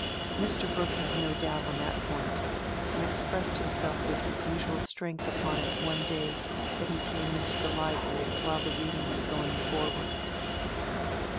Mr. Brooke had no doubt on that point, and expressed himself with his usual strength upon it one day that he came into the library while the reading was going forward.